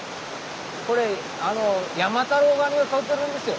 これ山太郎ガニをとってるんですよ。